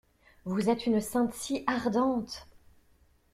Vous êtes une sainte si ardente!